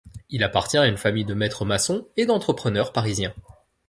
Il appartient à une famille de maîtres maçons et d'entrepreneurs parisiens.